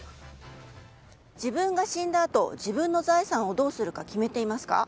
自分が死んだあと自分の財産をどうするか決めていますか？